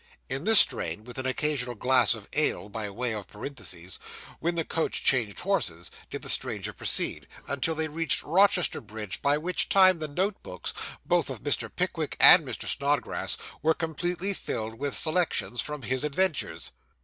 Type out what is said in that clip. In this strain, with an occasional glass of ale, by way of parenthesis, when the coach changed horses, did the stranger proceed, until they reached Rochester bridge, by which time the note books, both of Mr. Pickwick and Mr. Snodgrass, were completely filled with selections from his adventures.